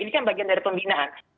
ini kan bagian dari pembinaan